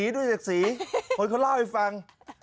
ดูจากสีคนเขาเล่าให้ฟัง